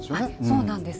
そうなんです。